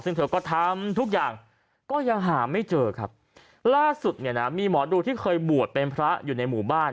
ซึ่งเธอก็ทำทุกอย่างก็ยังหาไม่เจอครับล่าสุดเนี่ยนะมีหมอดูที่เคยบวชเป็นพระอยู่ในหมู่บ้าน